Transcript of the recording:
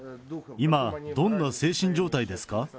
今、どんな精神状態ですか？